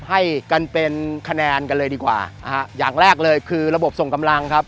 ให้กันเป็นคะแนนกันเลยดีกว่านะฮะอย่างแรกเลยคือระบบส่งกำลังครับ